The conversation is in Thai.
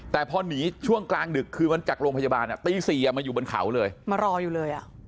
แต่พอหนีช่วงกลางดึกคือมันจากโรงพยาบาลตี๔มาอยู่บนเขาเลยมารออยู่เลยอ่ะ